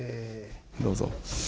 どうぞ。